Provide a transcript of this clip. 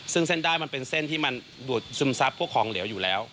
ซึ่งเส้นได้มันเป็นเส้นที่มันดูดซึมซับพวกของเหลวอยู่แล้ว